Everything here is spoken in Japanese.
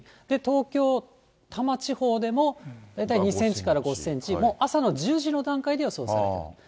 で、東京・多摩地方でも大体２センチから５センチ、もう朝の１０時の段階で予想しています。